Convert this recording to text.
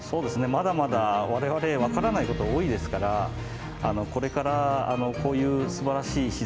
まだまだ我々分からないこと多いですからこれからこういうすばらしい自然とかですね